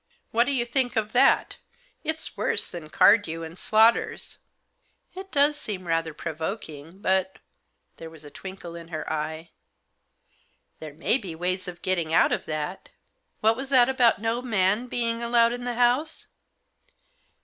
" What do you think of that ? It's worse than Cardew & Slaughter's." "It does seem rather provoking. But" — there was a twinkle in her eye — "there may be ways of getting out of that ?"" What was that about no man being allowed in the house